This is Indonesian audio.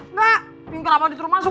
enggak pinggir apa diturun masuk